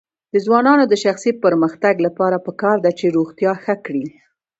د ځوانانو د شخصي پرمختګ لپاره پکار ده چې روغتیا ښه کړي.